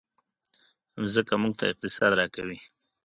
مځکه موږ ته اقتصاد راکوي.